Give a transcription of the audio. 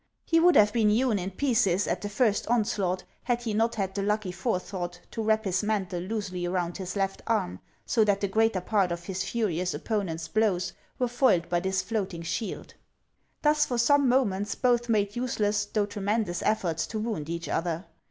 He would have been hewn in pieces at the first onslaught, had he not had the lucky forethought to wrap his mantle loosely around his left arm, so that the greater part of his furious opponent's blows were foiled by this floating shield. Thus for some 326 HANS OF ICELAND. moments both made useless though tremendous efforts to wound each other.